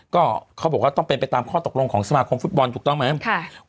ก็เขาบอกว่าต้องเป็นไปตามข้อตกลงของสมาคมฟุตบอลถูกต้องไหม